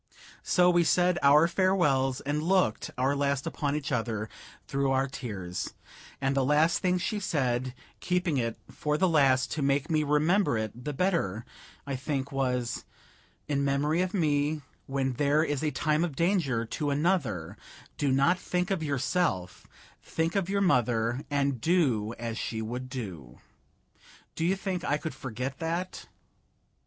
So we said our farewells, and looked our last upon each other through our tears; and the last thing she said keeping it for the last to make me remember it the better, I think was, "In memory of me, when there is a time of danger to another do not think of yourself, think of your mother, and do as she would do." Do you think I could forget that?